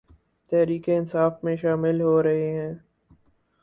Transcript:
تحریک انصاف میں شامل ہورہےہیں